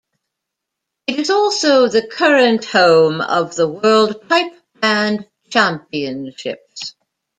It is also the current home of the world pipe band championships.